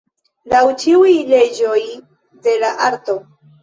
Laŭ ĉiuj leĝoj de la arto.